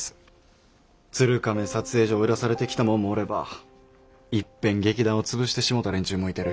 鶴亀撮影所追い出されてきたもんもおればいっぺん劇団を潰してしもた連中もいてる。